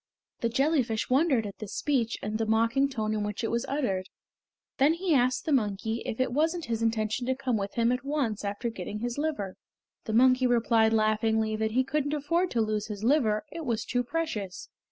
The jellyfish wondered at this speech and the mocking tone in which it was uttered. Then he asked the monkey if it wasn't his intention to come with him at once after getting his liver. The monkey replied laughingly that he couldn't afford to lose his liver; it was too precious.